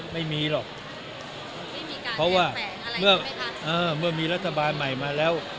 ไม่มีหรอกเพราะว่าเมื่อมีรัฐบาลใหม่มาแล้ว